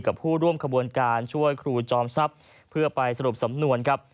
ผู้ร่วมขบวนการช่วยครูจอมทรัพย์เพื่อไปสรุปสำนวนครับ